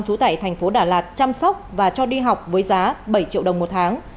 chú tại tp đà lạt chăm sóc và cho đi học với giá bảy triệu đồng một tháng